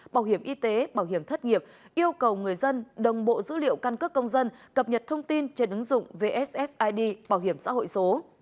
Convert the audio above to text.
bảo hiểm y tế bảo hiểm thất nghiệp yêu cầu người dân đồng bộ dữ liệu căn cước công dân cập nhật thông tin trên ứng dụng vssid bảo hiểm xã hội số